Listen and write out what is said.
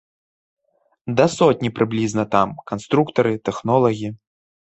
Да сотні прыблізна там, канструктары, тэхнолагі.